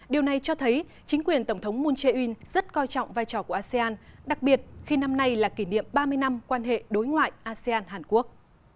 điều này cho thấy chính quyền tổng thống moon jae in rất coi trọng vai trò của asean đặc biệt khi năm nay là kỷ niệm ba mươi năm quan hệ đối ngoại asean hàn quốc